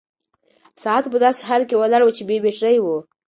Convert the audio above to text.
ساعت په داسې حال کې ولاړ و چې بې بيټرۍ و.